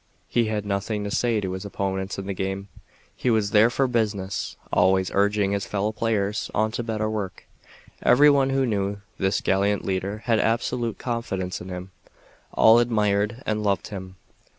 He had nothing to say to his opponents in the game. He was there for business. Always urging his fellow players on to better work. Every one who knew this gallant leader had absolute confidence in him. All admired and loved him.